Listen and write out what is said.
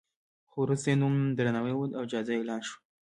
خو وروسته یې نوم درناوی وموند او جایزه اعلان شوه.